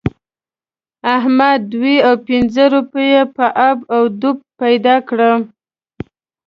احمد دوه او پينځه روپۍ په اپ و دوپ پیدا کړې.